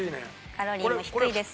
カロリーも低いです。